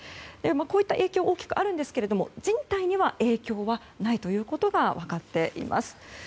こうした影響が大きくありますが人体には影響はないということが分かっています。